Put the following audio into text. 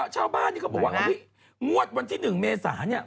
ชาวบ้านนี่เขาบอกว่างวดวันที่๑เมษาเนี่ย